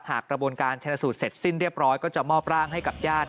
กระบวนการชนสูตรเสร็จสิ้นเรียบร้อยก็จะมอบร่างให้กับญาติ